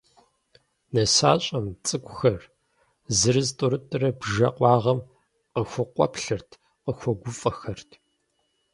Нысащӏэм, цӏыкӏухэр, зырыз-тӏурытӏурэ, бжэ къуагъым къыхукъуэплъырт, къыхуэгуфӏэхэрт.